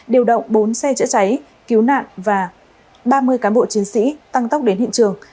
điều động bốn xe chữa cháy cứu nạn và ba mươi cán bộ chiến sĩ tăng tốc đến hiện trường